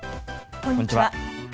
こんにちは。